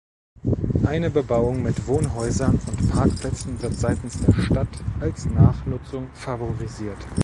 Eine Bebauung mit Wohnhäusern und Parkplätzen wird seitens der Stadt als Nachnutzung favorisiert.